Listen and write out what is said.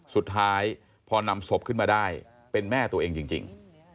สุดท้ายพอนำศพขึ้นมาได้เป็นแม่ตัวเองจริง